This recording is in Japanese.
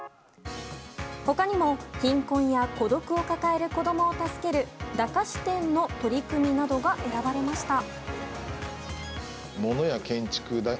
他にも貧困や孤独を抱える子供を助ける駄菓子店の取り組みなどが選ばれました。